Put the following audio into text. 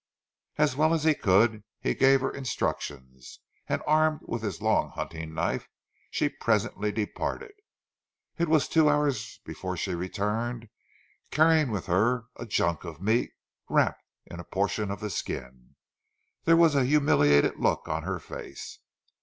As well as he could he gave her instructions, and armed with his long hunting knife, she presently departed. It was two hours before she returned, carrying with her a junk of meat wrapped in a portion of the skin. There was a humiliated look on her face.